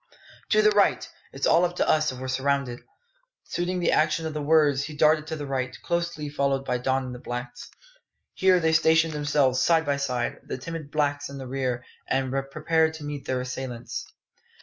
"To the right! It's all up with us if we're surrounded." Suiting the action to the words, he darted to the right, closely followed by Don and the blacks. Here they stationed themselves side by side, the timid blacks in the rear, and prepared to meet their assailants.